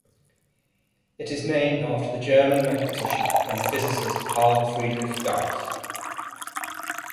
It is named after the German mathematician and physicist Carl Friedrich Gauss.